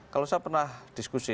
kalau saya pernah diskusi